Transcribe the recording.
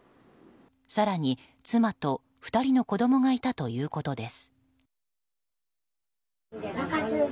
更に妻と２人の子供がいたということです。